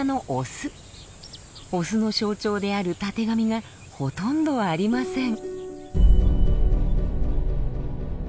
オスの象徴であるたてがみがほとんどありません。